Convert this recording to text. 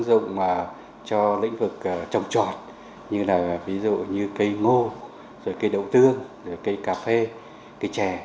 các kết quả nghiên cứu đã được ứng dụng cho lĩnh vực trồng trọt như là ví dụ như cây ngô cây đậu tương cây cà phê cây trẻ